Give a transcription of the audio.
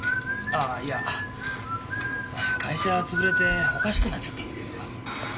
あいや会社潰れておかしくなっちゃったんですよ。